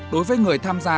đối với người tham gia